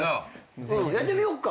やってみよっか。